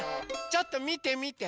ちょっとみてみて。